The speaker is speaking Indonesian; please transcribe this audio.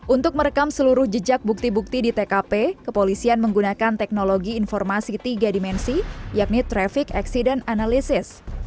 untuk merekam seluruh jejak bukti bukti di tkp kepolisian menggunakan teknologi informasi tiga dimensi yakni traffic accident analysis